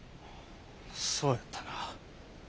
そうやったな。